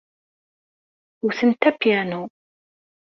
Wtent apyanu.